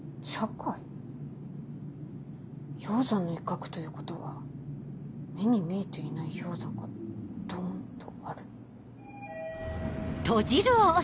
氷山の一角ということは目に見えていない氷山がドンとある。